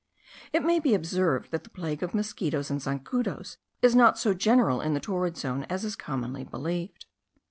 It may be observed that the plague of mosquitos and zancudos is not so general in the torrid zone as is commonly believed.